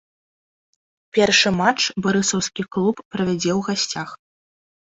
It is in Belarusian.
Першы матч барысаўскі клуб правядзе ў гасцях.